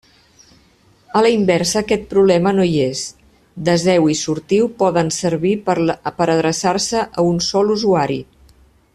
A la inversa aquest problema no hi és: deseu i sortiu poden servir per a adreçar-se a un sol usuari.